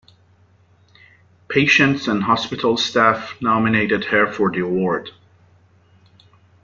Patients and hospital staff nominated her for the award.